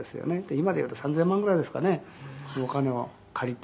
「今でいうと３０００万ぐらいですかねのお金を借りて」